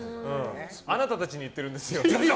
あなたたちに言ってるんですよ。